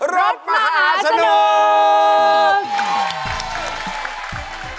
รถประหาสนุก